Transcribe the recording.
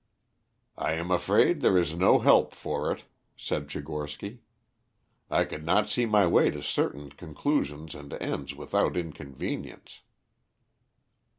"I am afraid there is no help for it," said Tchigorsky. "I could not see my way to certain conclusions and ends without inconvenience."